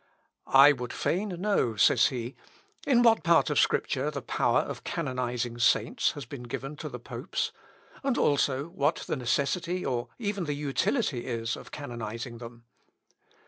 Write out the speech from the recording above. "I would fain know," says he, "in what part of Scripture the power of canonising saints has been given to the popes; and also what the necessity, or even the utility is, of canonising them?"...